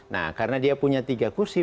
nah karena dia punya tiga kursi